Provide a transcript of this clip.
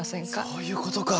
そういうことか！